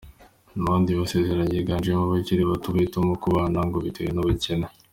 Mu bandi basezeranye higanjemo abakiri bato bahitamo kubana, ngo bitewe n’ubukene.